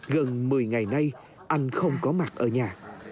gần một mươi ngày nay anh không có mặt ở nhà